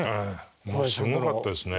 もうすごかったですね。